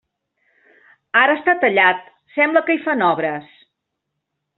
Ara està tallat, sembla que hi fan obres.